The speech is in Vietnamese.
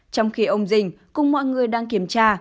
trong khi ông dình cùng mọi người đang kiểm tra